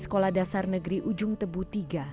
sekolah dasar negeri ujung tebu iii